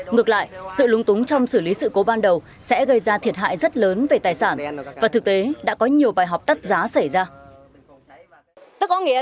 ngược lại sự lúng túng trong xử lý sự cố ban đầu sẽ gây ra thiệt hại rất lớn về tài sản và thực tế đã có nhiều bài học đắt giá xảy ra